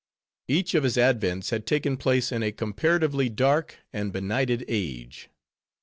Each of his advents had taken place in a comparatively dark and benighted age.